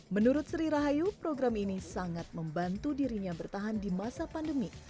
menurut sri rahayu program ini sangat membantu dirinya bertahan di masa pandemi